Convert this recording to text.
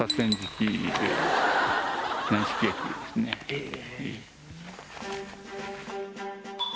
へえ。